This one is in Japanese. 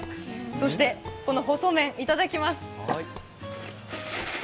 そして、この細麺、いただきます。